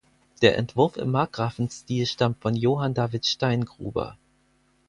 Der Entwurf im Markgrafenstil stammt von Johann David Steingruber.